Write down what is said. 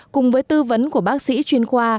cùng với tư vấn của bác sĩ chuyên khoa